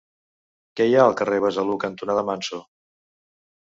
Què hi ha al carrer Besalú cantonada Manso?